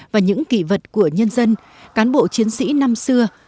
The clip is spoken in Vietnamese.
và những kỷ vật của nhân dân cán bộ chiến sĩ năm xưa